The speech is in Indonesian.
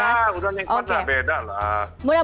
ini ya udah beda lah